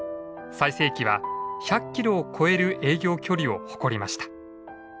最盛期は１００キロを超える営業距離を誇りました。